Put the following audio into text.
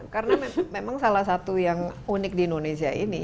karena memang salah satu yang unik di indonesia ini